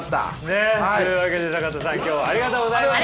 ねえ。というわけで坂田さん今日はありがとうございました。